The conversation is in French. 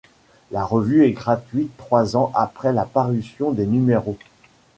La revue est gratuite trois ans après la parution des numéros.